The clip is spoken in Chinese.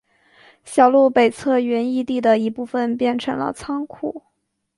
小路北侧原义地的一部分变成了仓库。